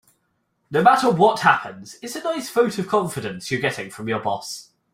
No matter what happens, it's a nice vote of confidence you're getting from your boss.